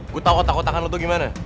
gue tau otak otakan lo tuh gimana